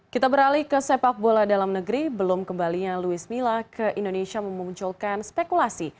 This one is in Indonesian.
kita beralih ke sepak bola dalam negeri belum kembalinya luis mila ke indonesia memunculkan spekulasi